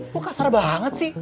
lo kasar banget sih